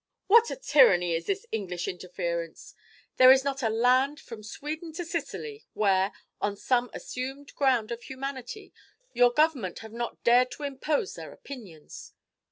"What a tyranny is this English interference! There is not a land, from Sweden to Sicily, where, on some assumed ground of humanity, your Government have not dared to impose their opinions!